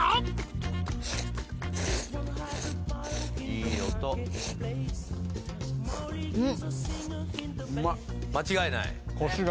いい音うん間違いない？